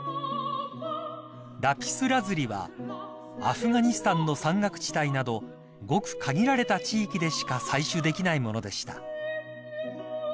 ［ラピスラズリはアフガニスタンの山岳地帯などごく限られた地域でしか採取できないものでした］